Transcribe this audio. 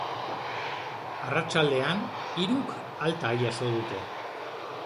Arratsaldean, hiruk alta jaso dute.